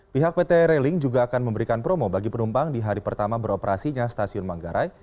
pihak pt railing juga akan memberikan promo bagi penumpang di hari pertama beroperasinya stasiun manggarai